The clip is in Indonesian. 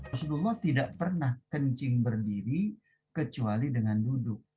rasulullah tidak pernah kencing berdiri kecuali dengan duduk